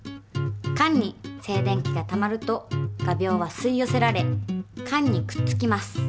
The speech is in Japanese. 缶に静電気がたまると画びょうは吸い寄せられ缶にくっつきます。